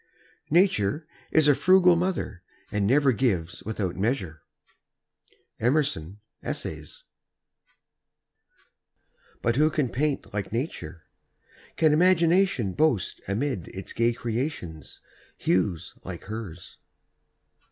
Nature is a frugal mother, and never gives without measure. Emerson, "Essays." But who can paint Like Nature! Can imagination boast Amid its gay creations hues like hers?